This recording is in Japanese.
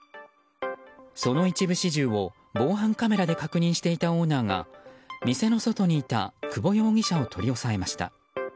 その一部始終を、防犯カメラで確認していたオーナーが店の外にいた久保容疑者を取り押さえました。